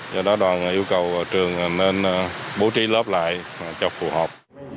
do đó đoàn yêu cầu trường nên bố trí lớp lại cho phù hợp